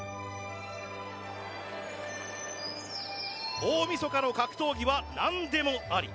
大みそかの格闘技は何でもあり。